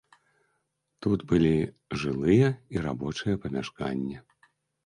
Тут былі жылыя і рабочыя памяшканні.